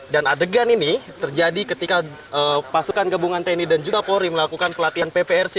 dan adegan ini terjadi ketika pasukan gabungan tni dan juga polri melakukan pelatihan pprc